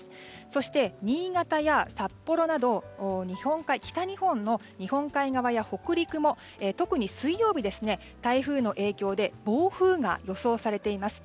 そして、新潟や札幌など北日本の日本海側や北陸も、特に水曜日台風の影響で暴風が予想されています。